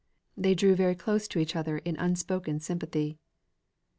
They drew very close to each other in unspoken sympathy.